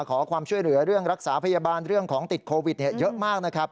ขอความช่วยเหลือเรื่องรักษาพยาบาลเรื่องของติดโควิดเยอะมากนะครับ